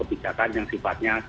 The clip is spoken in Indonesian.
misalkan yang sifatnya